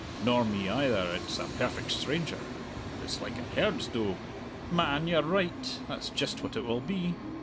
"Nor me either. It's a perfect stranger!" "It's like a herd's doag!" "Man, you're right! That's just what it will be.